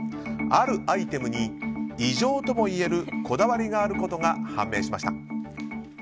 あるアイテムに異常ともいえるこだわりがあることが判明しました。